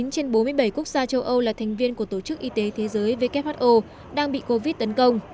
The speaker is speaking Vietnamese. ba mươi chín trên bốn mươi bảy quốc gia châu âu là thành viên của tổ chức y tế thế giới đang bị covid tấn công